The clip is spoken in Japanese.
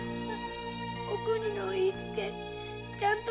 お邦の言いつけちゃんと守る。